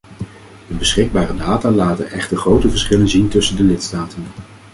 De beschikbare data laten echter grote verschillen zien tussen de lidstaten.